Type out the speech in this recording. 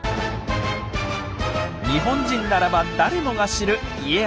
日本人ならば誰もが知る家康。